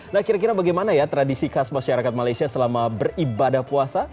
nah kira kira bagaimana ya tradisi khas masyarakat malaysia selama beribadah puasa